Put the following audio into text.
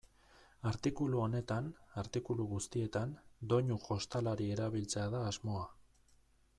Artikulu honetan, artikulu guztietan, doinu jostalari erabiltzea da asmoa.